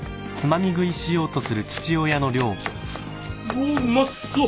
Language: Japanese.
おうまそう！